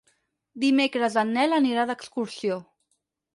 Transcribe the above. Dimecres en Nel anirà d'excursió.